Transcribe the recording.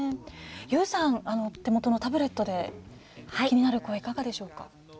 ＹＯＵさん、手元のタブレットで気になる声、いかがでしょうか。